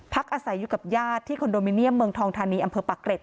อาศัยอยู่กับญาติที่คอนโดมิเนียมเมืองทองธานีอำเภอปากเกร็ด